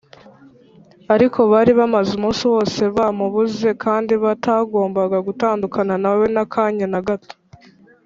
Ariko bari bamaze umunsi wose bamubuze kandi bataragombaga gutandukana na We n’akanya na gato